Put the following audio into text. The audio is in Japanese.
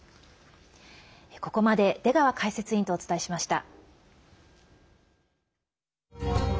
ここまで出川解説委員とお伝えしました。